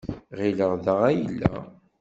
Ɣileɣ da ay yella.